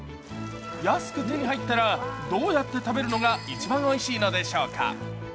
安く手に入ったらどうやって食べるのが一番おいしいのでしょうか。